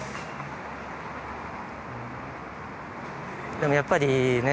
でもやっぱりね。